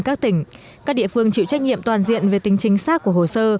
các địa phương chịu trách nhiệm toàn diện về tính chính xác của hồ sơ